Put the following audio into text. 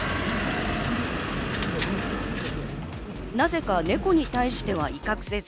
なぜかネコに対しては威嚇せず。